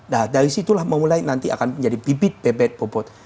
nah dari situlah memulai nanti akan menjadi bibit bebek bobot